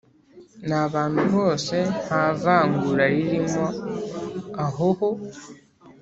ni abantu bose nta vangura ririmo ahoho